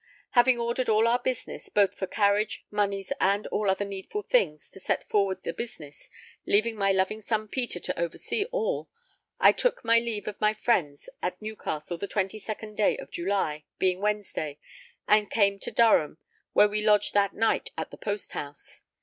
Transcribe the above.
Having ordered all our business, both for carriage, moneys, and all other needful things to set forward the business, leaving my loving son Peter to oversee all, I took my leave of my friends at Newcastle the 22nd day of July, being Wednesday, and came to Durham where we lodged that night at the posthouse.